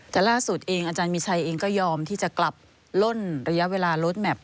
แต่ล่าสุดเองอาจารย์มีชัยเองก็ยอมที่จะกลับล่นระยะเวลาลดแมพ